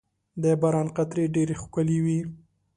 • د باران قطرې ډېرې ښکلي وي.